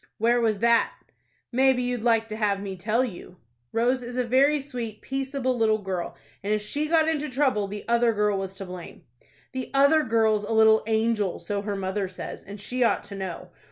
"Where was that?" "Maybe you'd like to have me tell you." "Rose is a very sweet, peaceable little girl, and if she got into trouble, the other girl was to blame." "The other girl's a little angel, so her mother says, and she ought to know.